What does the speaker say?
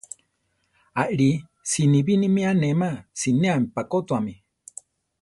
Arí si bi ni mi anéma, sinéami pakótuame.